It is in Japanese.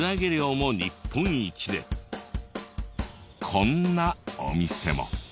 こんなお店も。